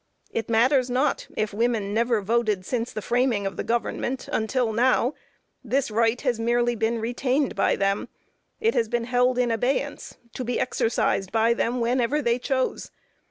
It matters not if women never voted since the framing of the government, until now, this right has merely been retained by them; it has been held in abeyance, to be exercised by them whenever they chose.